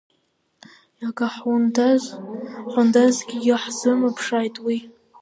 Иага ҳундазгьы иаҳзымԥшааит уи!